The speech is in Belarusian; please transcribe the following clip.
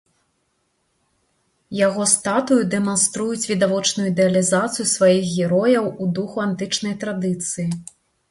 Яго статуі дэманструюць відавочную ідэалізацыю сваіх герояў у духу антычнай традыцыі.